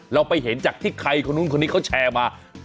เราไปเห็นจากที่ใครคนนู้นคนนี้เขาแชร์มา